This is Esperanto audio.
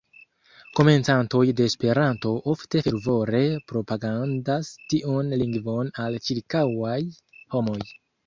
Komencantoj de Esperanto ofte fervore propagandas tiun lingvon al ĉirkaŭaj homoj.